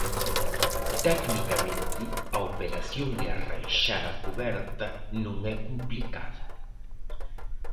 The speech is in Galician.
Tecnicamente, a operación de arranxar a cuberta non é complicada.